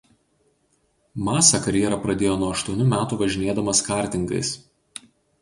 Massa karjerą pradėjo nuo aštuonių metų važinėdamas kartingais.